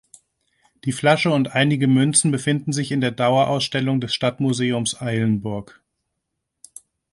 Die Flasche und einige Münzen befinden sich in der Dauerausstellung des Stadtmuseums Eilenburg.